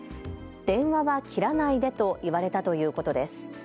電話は切らないでと言われたということです。